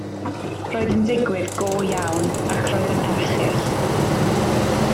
Roedd yn digwydd go iawn, ac roedd yn erchyll